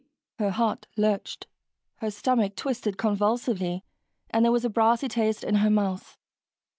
Her heart lurched, her stomach twisted convulsively, and there was a brassy taste in her mouth.